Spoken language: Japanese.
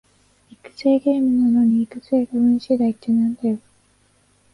育成ゲームなのに育成が運しだいってなんだよ